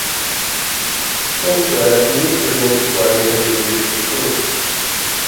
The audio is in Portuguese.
Quanto é mil trezentos e quarenta dividido por cinco?